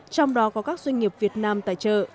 trong đó có các doanh nghiệp việt nam tài trợ